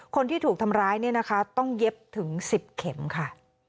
คนที่ถูกทำร้ายเนี่ยนะคะต้องเย็บถึง๑๐เข็มค่ะ